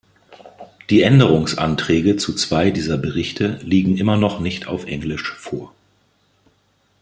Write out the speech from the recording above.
Die Änderungsanträge zu zwei dieser Berichte liegen immer noch nicht auf Englisch vor.